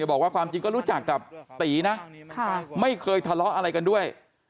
บอกว่าความจริงก็รู้จักกับตีนะไม่เคยทะเลาะอะไรกันด้วย